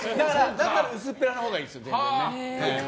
だから薄っぺらなほうがいいんです。